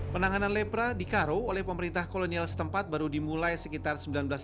penanganan lepra di karo oleh pemerintah kolonial setempat baru dimulai sekitar seribu sembilan ratus sembilan puluh